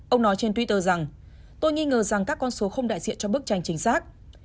ông nói trên twitter rằng tôi nghi ngờ rằng các con số không đại diện cho bức tranh chính xác